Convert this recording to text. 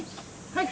はい